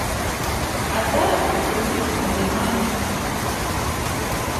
А зараз гэтую нішу не займае ніхто.